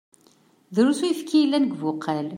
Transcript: Drusn uyefki i yellan deg ubuqal..